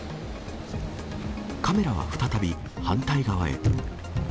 カメラは再び、反対側へ。